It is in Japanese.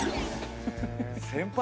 先輩！